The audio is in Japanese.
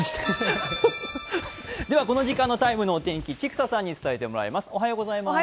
この時間の「ＴＩＭＥ，」のお天気、千種さんに伝えてもらいます。